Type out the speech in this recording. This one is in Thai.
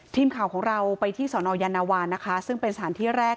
ทีมข่าวของเราไปที่สนยานวานนะคะซึ่งเป็นสถานที่แรก